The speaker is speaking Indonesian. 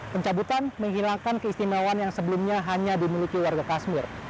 pencabutan menghilangkan keistimewaan yang sebelumnya hanya dimiliki warga kasmir